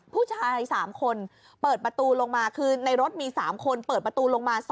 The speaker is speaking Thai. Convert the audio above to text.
ผู้ชาย๓คนเปิดประตูลงมาคือในรถมี๓คนเปิดประตูลงมา